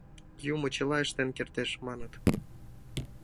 Юмо чыла ыштен кертеш, маныт.